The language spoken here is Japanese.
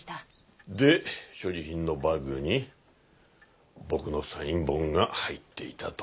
で所持品のバッグに僕のサイン本が入っていたと。